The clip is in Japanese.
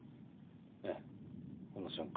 ええこの瞬間。